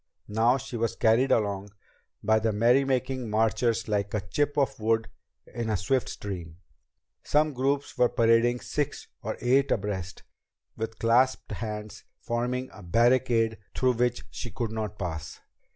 Now she was carried along by the merrymaking marchers like a chip of wood in a swift stream. Some groups were parading six or eight abreast, with clasped hands forming a barricade through which she could not pass.